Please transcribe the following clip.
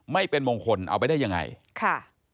ไม่เป็นมงคลเอาไปได้ยังไงค่ะ